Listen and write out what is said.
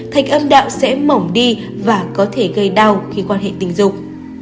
thạch âm đạo sẽ mỏng đi và có thể gây đau khi quan hệ tình dục